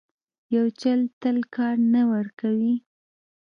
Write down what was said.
یو چل تل کار نه ورکوي.